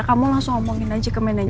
kamu langsung omongin aja ke manajemen